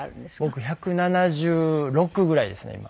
僕１７６ぐらいですね今。